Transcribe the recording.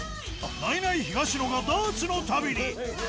ナイナイ、東野がダーツの旅に。